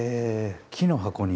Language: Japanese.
木の箱に？